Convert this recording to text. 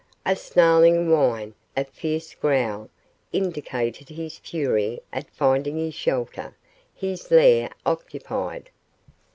A snarling whine, a fierce growl, indicated his fury at finding his shelter his lair occupied.